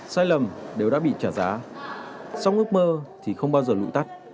sai lầm đều đã bị trả giá song ước mơ thì không bao giờ lũ tắt